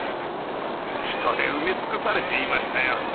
人で埋め尽くされていましたよ。